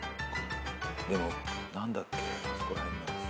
でも何だっけあそこら辺のやつ。